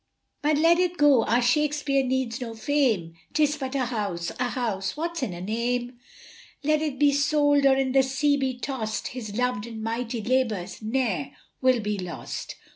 But let it go, our Shakespeare needs no fame, 'Tis but a house! a house! "What's in a name?" Let it be sold, or in the sea be tossed His loved and mighty labours ne'er will be lost.